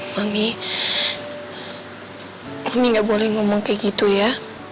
mami gak boleh ngomong kayak gitu ya